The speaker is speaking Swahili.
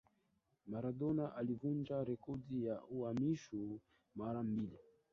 Maradona alivunja rekodi ya uhamisho mara mbili